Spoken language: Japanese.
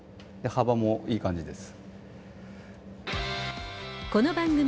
幅もいい感じです